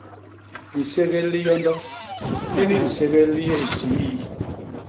Liségél li yondo; lini liségél li yé hisii.